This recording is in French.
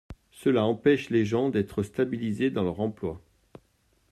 Cela empêche les gens d’être stabilisés dans leur emploi.